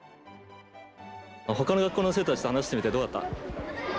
ほかの学校の生徒たちと話してみてどうだった？